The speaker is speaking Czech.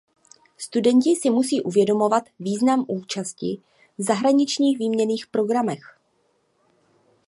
Studenti si musí uvědomovat význam účasti v zahraničních výměnných programech.